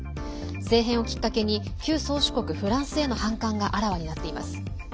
政変をきっかけに旧宗主国フランスへの反感があらわになっています。